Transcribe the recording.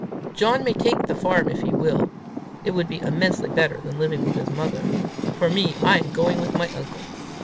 "John may take the farm if he will. It would be immeasurably better than living with his mother. For me, I am going with my uncle.